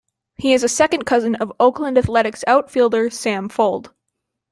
He is a second cousin of Oakland Athletics outfielder Sam Fuld.